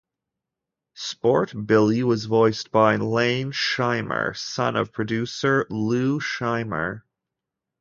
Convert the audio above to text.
Sport Billy was voiced by Lane Scheimer, son of producer Lou Scheimer.